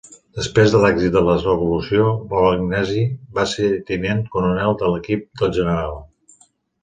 Després de l'èxit de la revolució, Bolognesi va ser tinent coronel de l'equip del general.